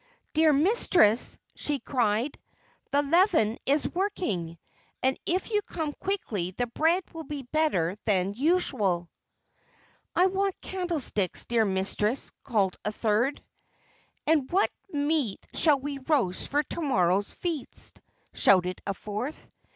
"Dear mistress," she cried, "the leaven is working, and if you come quickly the bread will be better than usual." "I want candlewicks, dear mistress," called a third. "And what meat shall we roast for to morrow's feast?" shouted a fourth.